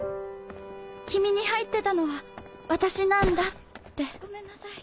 君に入ってたのは私なんだって。ごめんなさい。